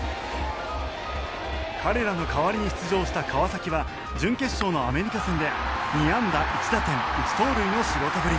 彼らの代わりに出場した川は準決勝のアメリカ戦で２安打１打点１盗塁の仕事ぶり。